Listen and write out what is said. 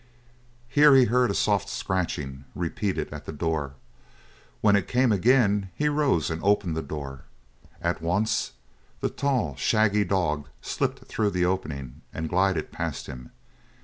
Here he heard a soft scratching, repeated, at the door. When it came again he rose and opened the door at once the tall, shaggy dog slipped through the opening and glided past him.